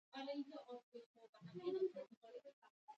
افغانستان تر هغو نه ابادیږي، ترڅو ملي بودیجه په شفاف ډول مصرف نشي.